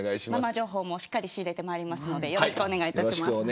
ママ情報もしっかり仕入れてまいりますのでよろしくお願いします。